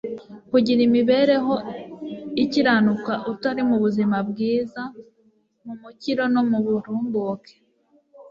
kugira imibereho ikiranuka utari mu buzima bwiza, mu mukiro no mu burumbuke.